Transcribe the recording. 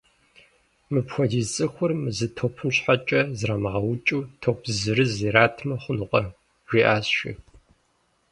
Мыпхуэдиз цӏыхур мы зы топым щхьэкӏэ зрамыгъэукӏыу, топ зырыз иратмэ хъунукъэ? - жиӏащ, жи.